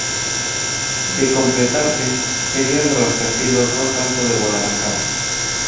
De completarse, sería el rascacielos más alto de Guadalajara.